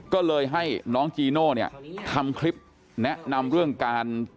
ก็เลยให้น้องจีโน่เนี่ยทำคลิปแนะนำเรื่องการ